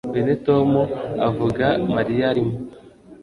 uyu ni tom avuga. mariya arimo